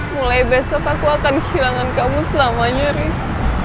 mulai besok aku akan kehilangan kamu selamanya riz